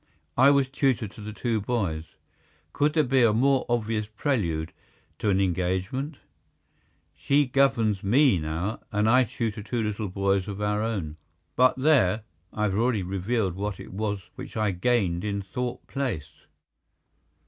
I was tutor to the two boys. Could there be a more obvious prelude to an engagement? She governs me now, and I tutor two little boys of our own. But, there—I have already revealed what it was which I gained in Thorpe Place!